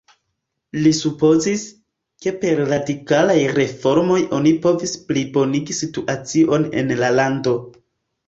Li supozis, ke per radikalaj reformoj oni povis plibonigi situacion en la lando.